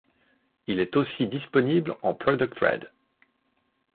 Il est aussi disponible en Product Red.